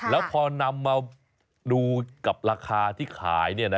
แล้วพอนำมาดูกับราคาที่ขาย